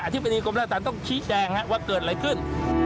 อธิบายนีกรมราตรการต้องชี้แจงว่าเกิดอะไรขึ้น